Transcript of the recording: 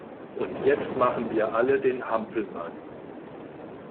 Und jetzt machen wir alle den Hampelmann!